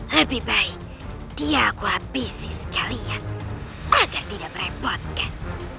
lebih baik dia aku habisi sekalian agar tidak merepotkan